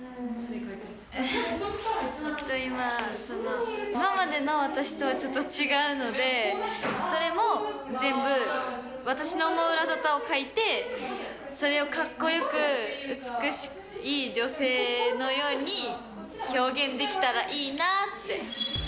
ちょっと今、今までの私とはちょっと違うので、それも全部私の思うラタタを書いて、それをかっこよく美しい女性のように表現できたらいいなって。